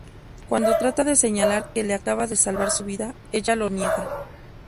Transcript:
Cuando trata de señalar que le acaba de salvar su vida, ella lo niega.